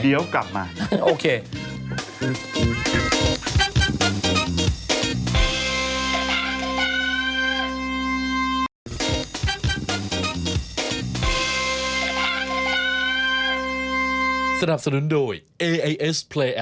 เดี๋ยวกลับมา